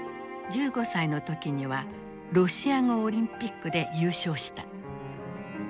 １５歳の時にはロシア語オリンピックで優勝した。